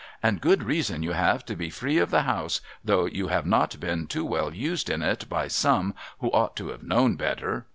' And good reason you have to be free of the house, though you have not been too well used in it by some who ought to have knov.n better.